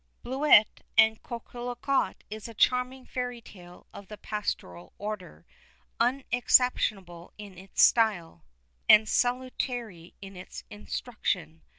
Bleuette et Coquelicot is a charming fairy tale of the pastoral order, unexceptionable in its style, and salutary in its instruction.